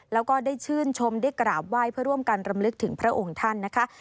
แล้วก็ได้ชื่นชมได้กราบไหว้เพื่อร่วมกันรำลึกถึงพระองค์ท่านนะคะ